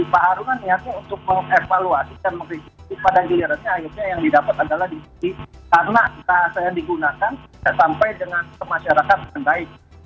pak haruna niatnya untuk mengevaluasikan pada gilirannya akhirnya yang didapat adalah karena saya digunakan sampai dengan masyarakat yang baik